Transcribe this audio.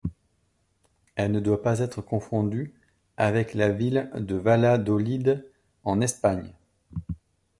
Elle ne doit pas être confondue avec la ville de Valladolid en Espagne.